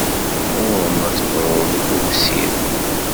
Ɣur-m ad tebruḍ i usirem!